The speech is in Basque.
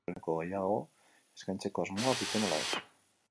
Taldekideek ez dute argitu zuzeneko gehiago eskaintzeko asmoa duten ala ez.